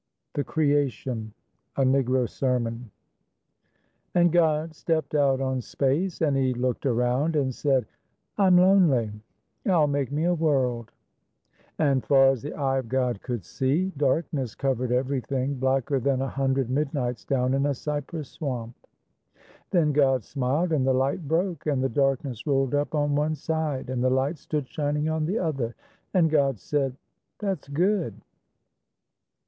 THE CREATION (A Negro Sermon) And God stepped out on space, And He looked around and said, "I'm lonely I'll make me a world." And far as the eye of God could see Darkness covered everything, Blacker than a hundred midnights Down in a cypress swamp. Then God smiled, And the light broke, And the darkness rolled up on one side, And the light stood shining on the other, And God said, _"That's good!"